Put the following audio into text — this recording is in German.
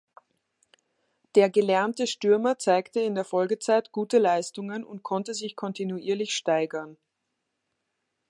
Der gelernte Stürmer zeigte in der Folgezeit gute Leistungen und konnte sich kontinuierlich steigern.